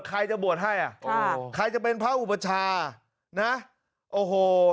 ใครจะบวชให้อ่ะค่ะใครจะเป็นพระอุปชานะโอ้โห